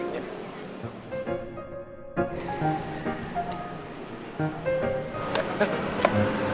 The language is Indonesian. bik satu dong